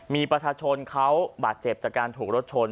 มีประชาชนเขาบาดเจ็บจากการถูกรถชน